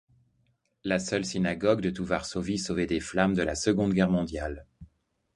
La seule synagogue de tout Varsovie sauvée des flammes de la Seconde Guerre mondiale.